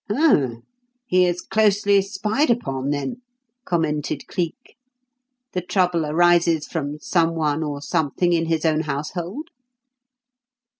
"Humph! He is closely spied upon, then?" commented Cleek. "The trouble arises from someone or something in his own household?"